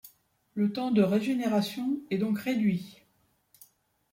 Le temps de régénération est donc réduit.